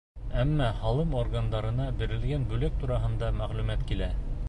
Әммә һалым органдарына бирелгән бүләк тураһында мәғлүмәт килә.